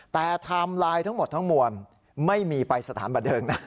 แต่ไทม์ไลน์ทั้งหมดทั้งมวลไม่มีไปสถานบันเทิงนะ